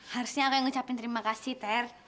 harusnya aku yang ngucapin terima kasih ter